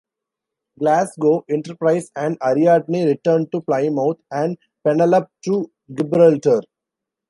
"Glasgow", "Enterprise" and "Ariadne" returned to Plymouth and "Penelope" to Gibraltar.